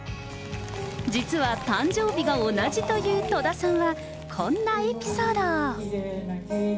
実は誕生日が同じという戸田さんは、こんなエピソードを。